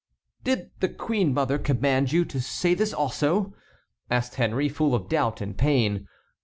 "Did the queen mother command you to say this also?" asked Henry, full of doubt and pain.